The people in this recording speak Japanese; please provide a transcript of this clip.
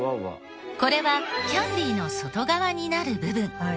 これはキャンディーの外側になる部分。